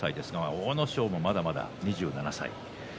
阿武咲もまだまだ２７歳。